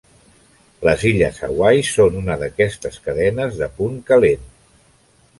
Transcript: Les illes Hawaii són una d'aquestes cadenes de punt calent.